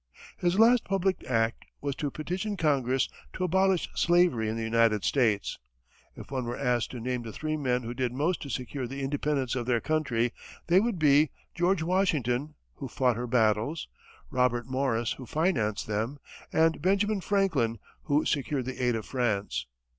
His last public act was to petition Congress to abolish slavery in the United States. If one were asked to name the three men who did most to secure the independence of their country, they would be George Washington, who fought her battles, Robert Morris, who financed them, and Benjamin Franklin, who secured the aid of France.